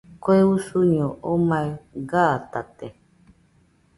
Kue usuño omai gatate